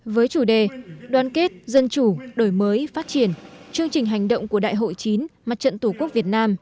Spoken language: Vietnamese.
với chủ đề đoàn kết dân chủ đổi mới phát triển chương trình hành động của đại hội chín mặt trận tổ quốc việt nam